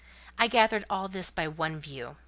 I gathered all this by one view.